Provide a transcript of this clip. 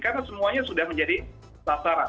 karena semuanya sudah menjadi sasaran